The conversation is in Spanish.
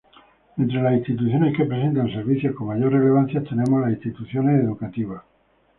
Entre las instituciones que presentan servicios con mayor relevancia tenemos las instituciones educativas.